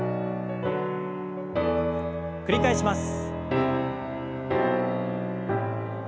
繰り返します。